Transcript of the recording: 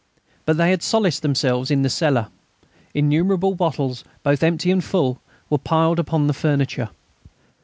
But they had solaced themselves in the cellar. Innumerable bottles, both empty and full, were piled upon the furniture.